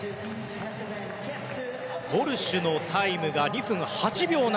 ウォルシュのタイムが２分８秒７４。